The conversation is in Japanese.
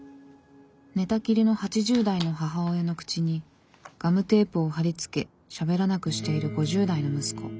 寝たきりの８０代の母親の口にガムテープを貼り付けしゃべらなくしている５０代の息子。